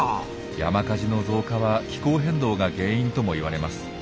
山火事の増加は気候変動が原因ともいわれます。